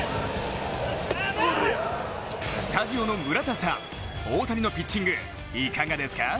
スタジオの村田さん、大谷のピッチングいかがですか？